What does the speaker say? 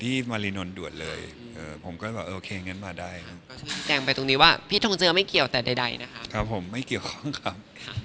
ผมก็จะบอกโอเคงั้นมาได้แจงไปตรงนี้ว่าพี่ทองเจือไม่เกี่ยวแต่ใดนะครับครับผมไม่เกี่ยวของครับ